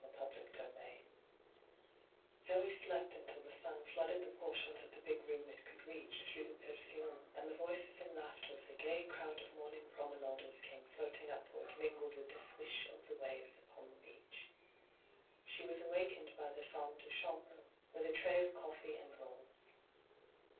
hyGoo>^lc CHAPTER XIV Zos slept antil the bud flooded the portioDs of the big room it could reach through the persiennes, and the voices and laughter of the gay crowd of morning promenaders came floating upward mingled with the swish of the waves upon the beach. She was awakened by the femme de chambre with a tray of cofi'ee and rolls.